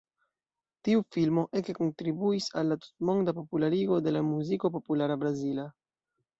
Tiu filmo ege kontribuis al la tutmonda popularigo de la Muziko Populara Brazila.